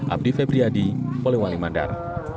abdi febriadi polewali mandar